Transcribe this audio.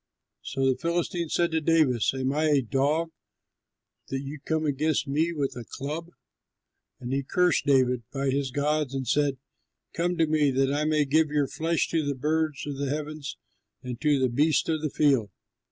So the Philistine said to David, "Am I a dog that you come against me with a club?" And he cursed David by his gods, and said, "Come to me that I may give your flesh to the birds of the heavens and to the beasts of the field."